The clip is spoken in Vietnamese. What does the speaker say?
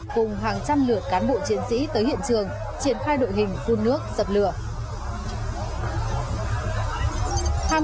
cùng hàng trăm lượt cán bộ chiến sĩ tới hiện trường triển khai đội hình phun nước dập lửa